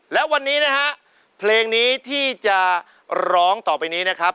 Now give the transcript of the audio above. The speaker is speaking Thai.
และวันนี้นะฮะเพลงนี้ที่จะร้องต่อไปนี้นะครับ